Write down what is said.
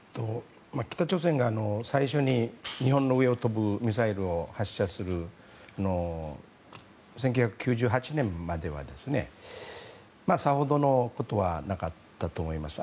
北朝鮮が最初に日本の上を飛ぶミサイルを発射するのを１９９８年まではさほどのことはなかったと思います。